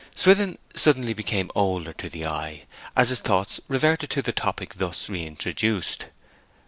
Swithin suddenly became older to the eye, as his thoughts reverted to the topic thus reintroduced.